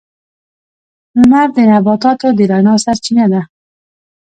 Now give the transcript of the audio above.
• لمر د نباتاتو د رڼا سرچینه ده.